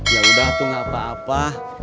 yaudah tuh gak apa apa